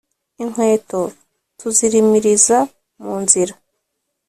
inkweto tuzirimiriza mu nzira,